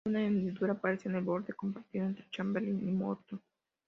Una hendidura aparece en el borde compartido entre Chamberlin y Moulton.